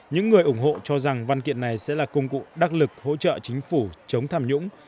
những người ủng hộ cho rằng văn kiện này sẽ là công cụ đắc lực hỗ trợ chính phủ chống tham nhũng